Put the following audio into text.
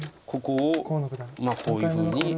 ここをこういうふうに。